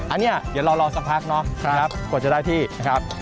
อันนี้เดี๋ยวเรารอสักพักเนาะกว่าจะได้ที่นะครับ